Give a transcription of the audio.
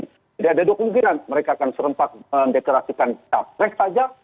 jadi ada dua kemungkinan mereka akan serempak deklarasikan cawapres saja